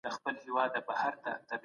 کله چي قدرت ولاړ نو یوازې به پاتې شې.